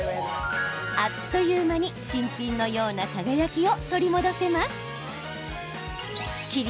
あっという間に新品のような輝きを取り戻せます。